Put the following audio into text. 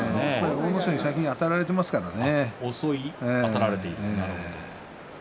阿武咲に最近あたられていますからね。